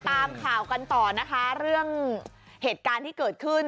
ตามข่าวกันต่อนะคะเรื่องเหตุการณ์ที่เกิดขึ้น